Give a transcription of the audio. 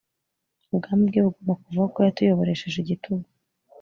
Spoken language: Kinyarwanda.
ubwami bwe bugomba kuvaho kuko yatuyoboresheje igitugu